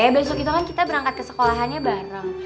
eh besok itu kan kita berangkat ke sekolahannya bareng